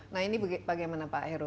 nah ini bagaimana pak heru